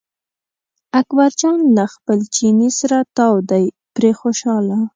اکبر جان له خپل چیني سره تاو دی پرې خوشاله.